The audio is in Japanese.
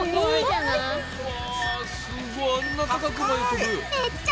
うわすごいあんな高くまで飛ぶ！